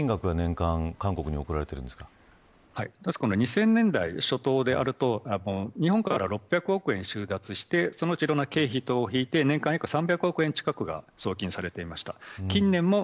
ちなみにどれぐらいの献金額が年間、韓国に２０００年代初頭であると日本から６００億円収奪してそのうちの、経費等を引いて年間３００億円近くが送金されていました。